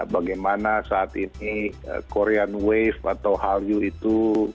bagaimana saat ini korean wave atau hallyu itu